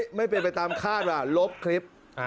เฮ้ยไม่เป็นไปตามฆาตล่ะลบคลิป